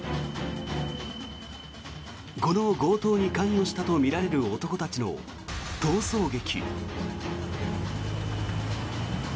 この強盗に関与したとみられる男たちの逃走劇。